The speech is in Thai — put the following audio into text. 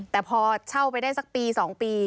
แต่พอเช่าไปได้สักปี๒ปี